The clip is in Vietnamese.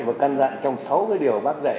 và căn dặn trong sáu điều bác dạy